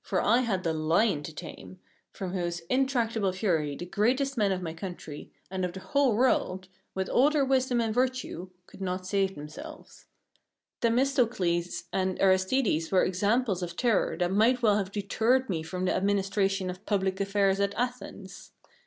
For I had a lion to tame, from whose intractable fury the greatest men of my country, and of the whole world, with all their wisdom and virtue, could not save themselves. Themistocles and Aristides were examples of terror that might well have deterred me from the administration of public affairs at Athens.